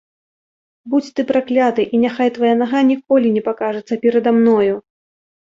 Будзь ты пракляты, і няхай твая нага ніколі не пакажацца перада мною!